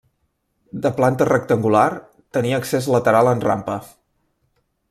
De planta rectangular, tenia accés lateral en rampa.